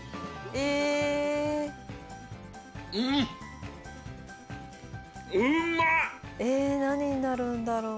えっ何になるんだろう？